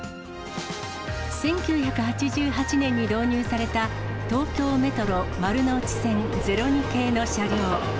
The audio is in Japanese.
１９８８年に導入された東京メトロ丸ノ内線０２系の車両。